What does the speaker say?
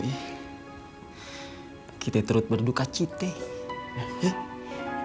ya ini mah mungkin ujian